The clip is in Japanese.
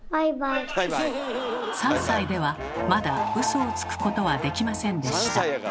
３歳ではまだウソをつくことはできませんでした。